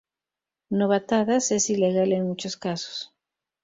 Novatadas es ilegal en muchos casos.